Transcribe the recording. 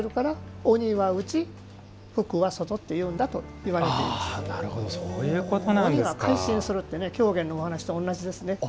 鬼が改心するって狂言のお話と同じですね。